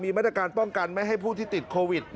มีแม้เป็นการป้องกันให้ผู้ที่ติดโควิด